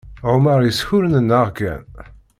Ɛumaṛ yeskurnennaɣ kan.